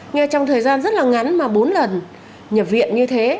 nghe trong thời gian rất là ngắn mà bốn lần nhập viện như thế